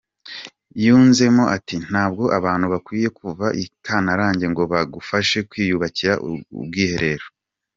Yunzemo ati "Ntabwo abantu bakwiye kuva ikantarange ngo bagufashe kwiyubakira ubwiherero.